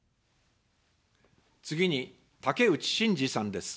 次に、竹内しんじさんです。